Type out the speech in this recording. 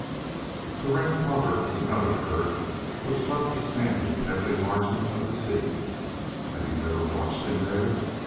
The Ringed Plover is another bird which loves the sandy, pebbly margin of the sea. Have you ever watched him there?